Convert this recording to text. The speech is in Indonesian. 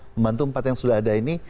membantu empat yang sudah ada ini